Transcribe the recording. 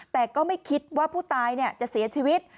แต่ก็ไม่คิดว่าผู้ตายจะเสียชีวิต